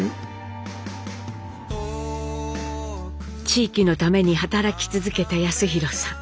地域のために働き続けた康宏さん。